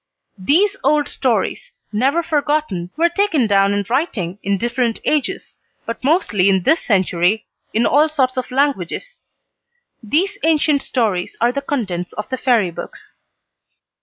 These old stories, never forgotten, were taken down in writing in different ages, but mostly in this century, in all sorts of languages. These ancient stories are the contents of the Fairy books.